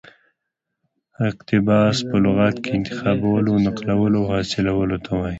اقتباس په لغت کښي انتخابولو، نقلولو او حاصلولو ته وايي.